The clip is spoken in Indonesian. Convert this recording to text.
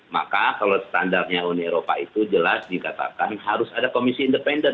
maka kalau standarnya uni eropa itu jelas dikatakan harus ada komisi independen